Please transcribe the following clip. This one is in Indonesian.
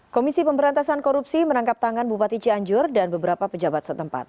komisi pemberantasan korupsi menangkap tangan bupati cianjur dan beberapa pejabat setempat